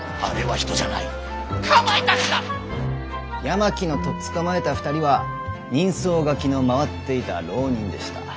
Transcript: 八巻の取っ捕まえた２人は人相書きの回っていた浪人でした。